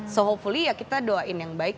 so holi ya kita doain yang baik